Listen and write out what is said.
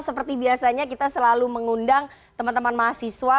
seperti biasanya kita selalu mengundang teman teman mahasiswa